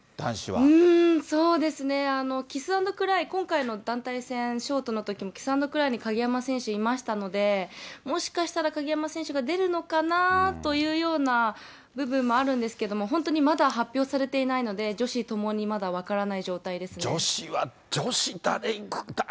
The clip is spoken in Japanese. そうですね、キス＆クライ、今回の団体戦ショートのときも、キス＆クライに鍵山選手いましたので、もしかしたら、鍵山選手が出るのかなというような部分もあるんですけども、本当にまだ発表されていないので、女子ともにまだ分からない状態ですね。